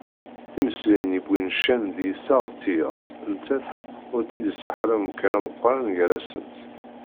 Timeslayin yewwin ccan d yiseɣ d tiyaḍ, nettat ur tt-id-iṣṣaḥ ara umkan ameqqran gar-asent.